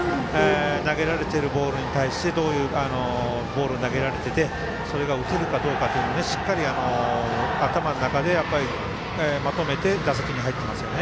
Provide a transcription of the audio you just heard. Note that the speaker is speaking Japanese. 投げられているボールに対してどういうボールを投げられていてそれが打てるかどうかというのをしっかり頭の中でまとめて打席に入ってますよね。